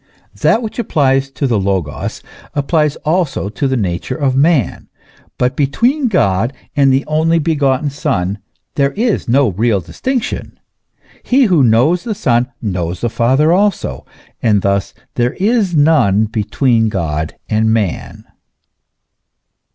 That which applies to the Logos applies also to the nature of man.* But between God and the only begotten Son there is no real distinction, he who knows the Son knows the Father also, and thus there is none between God and man.